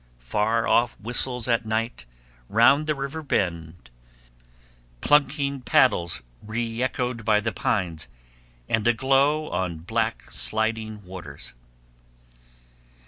... Far off whistles at night, round the river bend, plunking paddles reechoed by the pines, and a glow on black sliding waters.